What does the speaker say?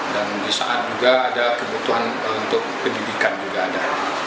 dan di saat juga ada kebutuhan untuk pendidikan juga ada